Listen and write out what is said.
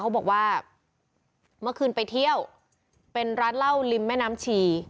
เขาบอกว่าเมื่อคืนไปเที่ยวเป็นร้านเหล้าริมแม่น้ำชี